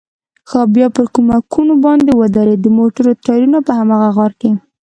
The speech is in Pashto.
بیا پر کومکونو باندې ودرېد، د موټر ټایرونه په هماغه غار کې.